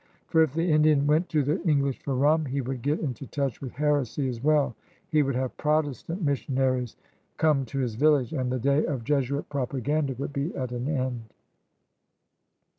For if the Indian went to the English for rum, he would get into touch with heresy as well; he wotdd have Protestant 174 CRUSADERS OF NEW PRANCE missionaries come to his village, and the day of Jesuit propaganda wotdd be at an end.